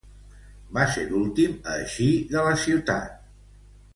Va ser l'últim a eixir de la ciutat.